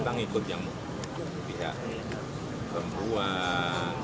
kita ngikut yang pihak perempuan